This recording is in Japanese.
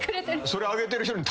それあげてる人に。